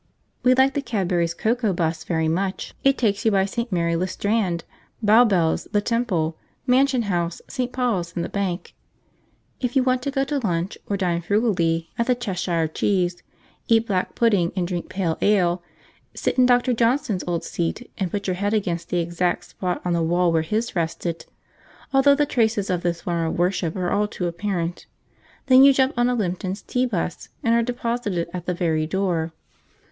We like the Cadbury's Cocoa 'bus very much; it takes you by St. Mary le Strand, Bow Bells, the Temple, Mansion House, St, Paul's, and the Bank. If you want to go and lunch, or dine frugally, at the Cheshire Cheese, eat black pudding and drink pale ale, sit in Dr. Johnson's old seat, and put your head against the exact spot on the wall where his rested, although the traces of this form of worship are all too apparent, then you jump on a Lipton's Tea 'bus, and are deposited at the very door.